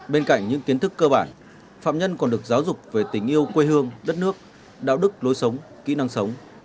bên cạnh những kiến thức cơ bản phạm nhân còn được giáo dục về tình yêu quê hương đất nước đạo đức lối sống kỹ năng sống